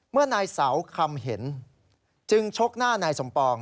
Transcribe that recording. เมื่อนายเสาคำเห็นจึงชกหน้านายสมปอง